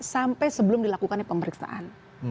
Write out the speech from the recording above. sampai sebelum dilakukannya pemeriksaan